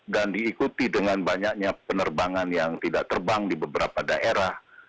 dan diikuti dengan banyaknya penerbangan yang tidak terbang di beberapa daerah